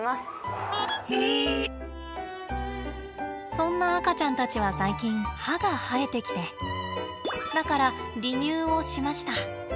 そんな赤ちゃんたちは最近歯が生えてきてだから離乳をしました。